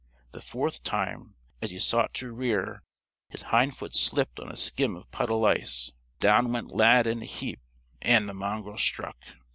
The fourth time, as he sought to rear, his hind foot slipped on a skim of puddle ice. Down went Lad in a heap, and the mongrel struck.